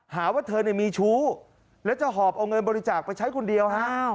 หาว่าเธอมีชู้แล้วจะหอบเอาเงินบริจาคไปใช้คนเดียวฮะ